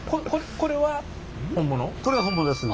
これは本物ですね。